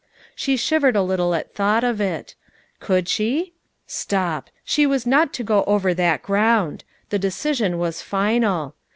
She shivered a little at thought of it. Could she? Stop! she was not to go over that ground; the decision was final.